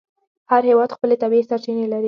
هر هېواد خپلې طبیعي سرچینې لري.